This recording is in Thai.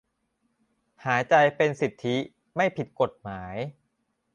หายใจเป็นสิทธิไม่ผิดกฎหมาย